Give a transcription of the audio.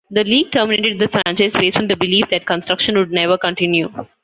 The league terminated the franchise based on the belief that construction would never continue.